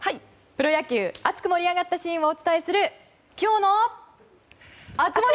プロ野球熱く盛り上がったシーンをお届けする熱盛！